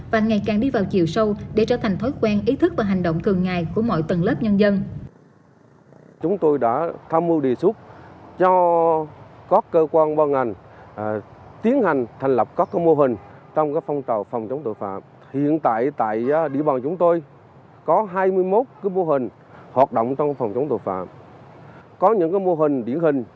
và ngày càng đi vào chiều sâu để trở thành thói quen ý thức và hành động thường ngày của mọi tầng lớp nhân dân